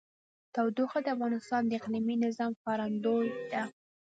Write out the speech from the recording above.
تودوخه د افغانستان د اقلیمي نظام ښکارندوی ده.